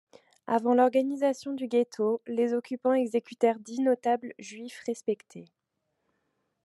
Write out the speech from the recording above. Avant l’organisation du ghetto, les occupants exécutèrent dix notables juifs respectés.